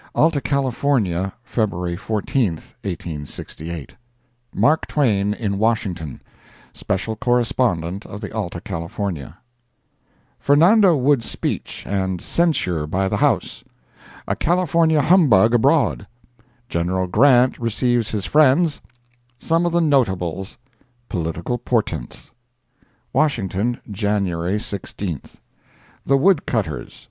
Alta California, February 14, 1868 MARK TWAIN IN WASHINGTON [SPECIAL CORRESPONDENT OF THE ALTA CALIFORNIA] Fernando Wood's Speech, and Censure by the House—A California Humbug Abroad—General Grant Receives His Friends—Some of the Notables—Political Portents. WASHINGTON, January 16th. The Wood Cutters.